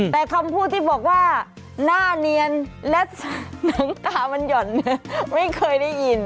แต่คำพูดที่บอกว่าหน้าเนียนและหนังตามันหย่อนไม่เคยได้ยิน